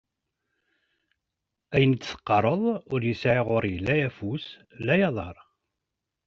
Ayen i d-teqqareḍ ur yesɛi ɣur-i la afus la aḍar.